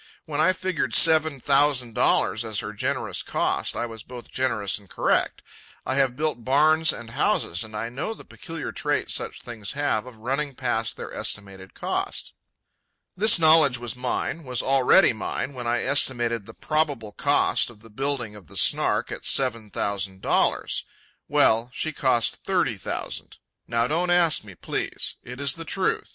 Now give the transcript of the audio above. When I figured seven thousand dollars as her generous cost, I was both generous and correct. I have built barns and houses, and I know the peculiar trait such things have of running past their estimated cost. This knowledge was mine, was already mine, when I estimated the probable cost of the building of the Snark at seven thousand dollars. Well, she cost thirty thousand. Now don't ask me, please. It is the truth.